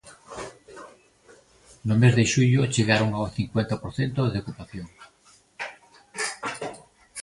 No mes de xullo chegaron ao cincuenta por cento de ocupación.